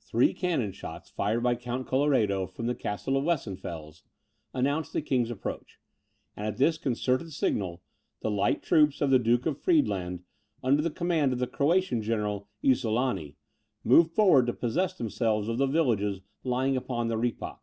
Three cannon shots, fired by Count Colloredo from the castle of Weissenfels, announced the king's approach; and at this concerted signal, the light troops of the Duke of Friedland, under the command of the Croatian General Isolani, moved forward to possess themselves of the villages lying upon the Rippach.